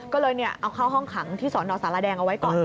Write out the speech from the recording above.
ก็เลยเอาเข้าห้องขังที่สนสารแดงเอาไว้ก่อน